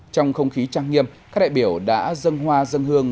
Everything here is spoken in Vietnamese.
trong không khí trang nghiêm các đại biểu đã dâng hoa dân hương